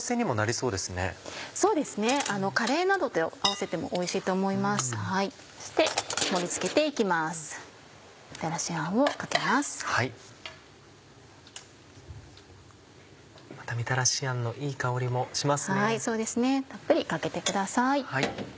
そうですねたっぷりかけてください。